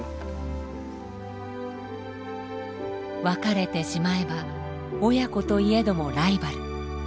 別れてしまえば親子といえどもライバル。